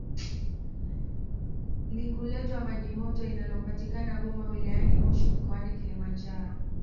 likuletwa majimoto inalopatikana boma wilayani moshi mkoani Kilimanjaro